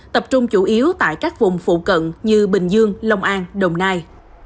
tập trung chủ yếu tại các vùng phụ cận như bình dương long an đồng nai